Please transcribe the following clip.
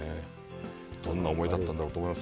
どんな思いだったんだろうと思います。